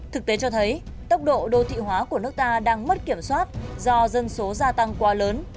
thực tế cho thấy tốc độ đô thị hóa của nước ta đang mất kiểm soát do dân số gia tăng quá lớn